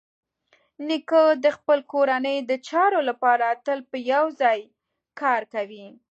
نیکه د خپلې کورنۍ د چارو لپاره تل په یوه ځای کار کوي.